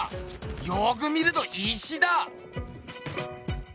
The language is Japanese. よく見ると石だ！